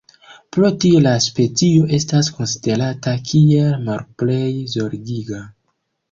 Pro tio la specio estas konsiderata kiel "Malplej Zorgiga".